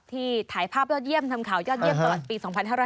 ถ่ายภาพยอดเยี่ยมทำข่าวยอดเยี่ยมตลอดปี๒๕๕๙